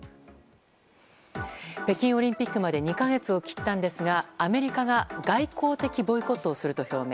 北京オリンピックまで２か月を切ったんですがアメリカが外交的ボイコットをすると表明。